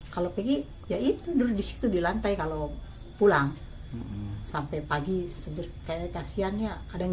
kalau pergi ya itu dulu disitu di lantai kalau pulang sampai pagi seger kayak kasihannya kadang